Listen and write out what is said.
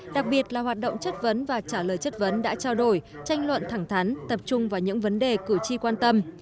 đặc biệt là hoạt động chất vấn và trả lời chất vấn đã trao đổi tranh luận thẳng thắn tập trung vào những vấn đề cử tri quan tâm